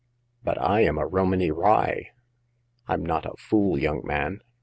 But I am a Romany Rye." " Fm not a fool, young man